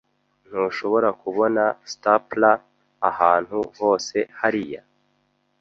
Ntushobora kubona stapler ahantu hose hariya?